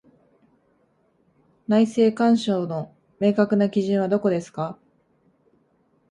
内政干渉の明確な基準はどこですか？